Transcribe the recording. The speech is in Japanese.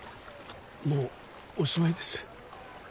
もうおしまいです。